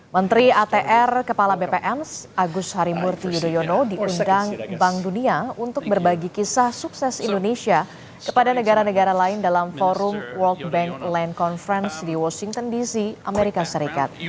menteri atr kepala bpns agus harimurti yudhoyono diundang bank dunia untuk berbagi kisah sukses indonesia kepada negara negara lain dalam forum world bank land conference di washington dc amerika serikat